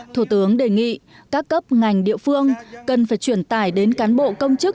thủ tướng đề nghị các cấp ngành địa phương cần phải chuyển tài đến cán bộ công chức